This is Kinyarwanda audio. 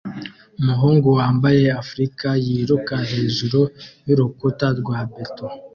Umuhungu wambaye africa yiruka hejuru y'urukuta rwa beto